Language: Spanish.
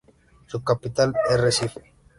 Su capital es Recife.